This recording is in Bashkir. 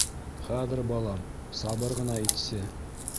Хәҙер, балам, сабыр ғына итсе!..